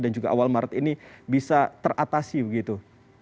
dan juga awal maret ini bisa teratasi begitu